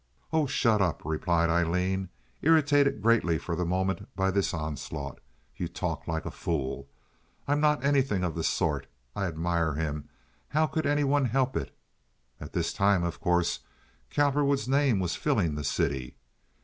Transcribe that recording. "Oh, shut up!" replied Aileen, irritated greatly for the moment by this onslaught. "You talk like a fool. I'm not anything of the sort. I admire him. How could any one help it?" (At this time, of course, Cowperwood's name was filling the city.)